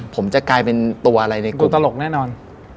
ผมจะกลายเป็นตัวอะไรในตัวตลกแน่นอน